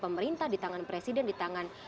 pemerintah di tangan presiden di tangan